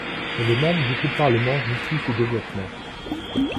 Elle est membre du groupe parlementaire Justice et Développement.